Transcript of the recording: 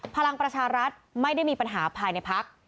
พลังประชารัฐไม่ได้มีปัญหาภายในพัก